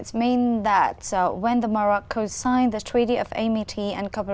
vì vậy chúng tôi đã kết thúc một ngành truyền thống của hà nội